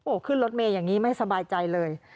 ขึ้นรถเมย์อย่างนี้ไม่สบายใจเลย